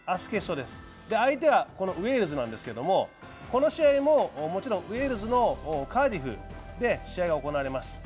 相手はウェールズですが、この試合ももちろん、ウェールズのカーディブで試合が行われます。